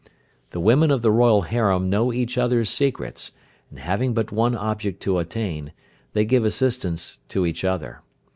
The women of the royal harem know each other's secrets, and having but one object to attain, they give assistance to each other.